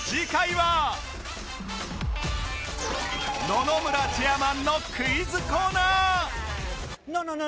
野々村チェアマンのクイズコーナー！